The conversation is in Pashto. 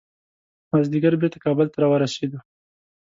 مازدیګر بیرته کابل ته راورسېدو.